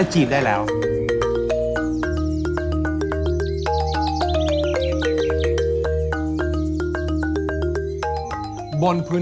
โอ้โห